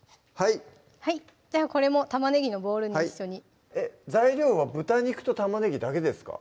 はいじゃこれも玉ねぎのボウルに一緒に材料は豚肉と玉ねぎだけですか？